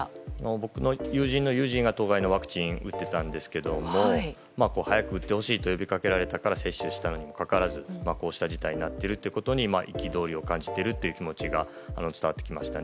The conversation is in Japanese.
僕の友人の友人が当該のワクチンを打ってたんですが早く打ってほしいと呼びかけられたから接種したにもかかわらずこうした事態になってるということに憤りを感じてるという気持ちが伝わってきました。